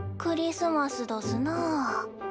クリスマスどすなあ。